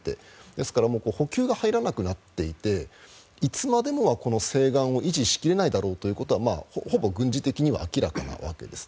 ですから補給が入らなくなっていていつまでもはこの西岸を維持し切れないだろうというのはほぼ軍事的には明らかなわけです。